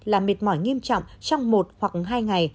là mệt mỏi nghiêm trọng trong một hoặc hai ngày